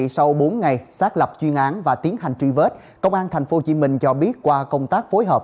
sau bốn ngày xác lập chuyên án và tiến hành truy vết công an tp hcm cho biết qua công tác phối hợp